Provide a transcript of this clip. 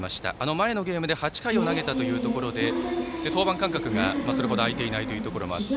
前のゲームで８回を投げたというところで登板間隔が、それほど空いていないというところもあって。